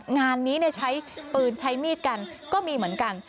งานนี้ใช้ปืนใช้มีดกันก็มีเหมือนกัน